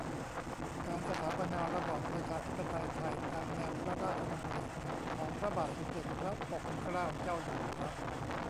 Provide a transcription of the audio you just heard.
การสถาปนาระบอบประชาธิปไตยไทย ตามแนวพระราชดำริของพระบาทสมเด็จพระปกเกล้าเจ้าอยู่หัว